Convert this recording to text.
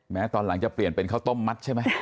ตอนหลังจะเปลี่ยนเป็นข้าวต้มมัดใช่ไหม